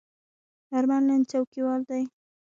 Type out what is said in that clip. آرمل نن څوکیوال دی.